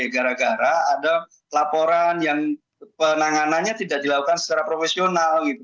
gara gara ada laporan yang penanganannya tidak dilakukan secara profesional